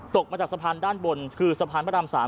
มาจากสะพานด้านบนคือสะพานพระราม๓